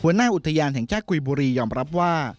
หัวหน้าอุทยานแห่งชาติกุยบุรียอมรับว่า